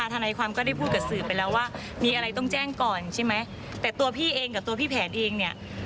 ตัวพี่เองกับตัวพี่แผนเองเนี่ย